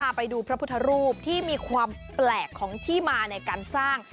ไปดูพระพุทธรูปที่มีความแปลกของที่มาในการสร้าง